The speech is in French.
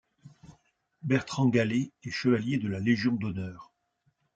Bertrand Gallet est chevalier de la Légion d'honneur.